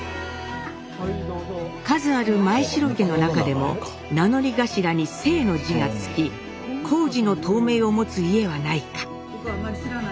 数ある前城家の中でも名乗り頭に「正」の字が付き胡氏の唐名を持つ家はないか。